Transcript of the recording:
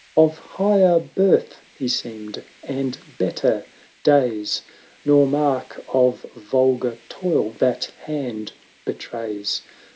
Of higher birth he seemed, and better days, Xor mark of vulgar toil that hand betrays.